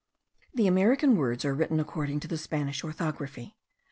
The American words are written according to the Spanish orthography.